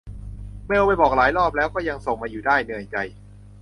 เมลไปบอกหลายรอบแล้ว ก็ยังส่งมาอยู่ได้ เหนื่อยใจ